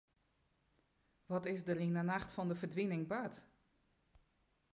Wat is der yn 'e nacht fan de ferdwining bard?